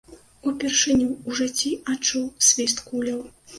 Упершыню ў жыцці адчуў свіст куляў.